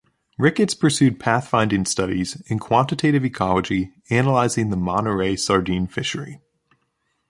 Ricketts pursued pathfinding studies in quantitative ecology, analyzing the Monterey sardine fishery.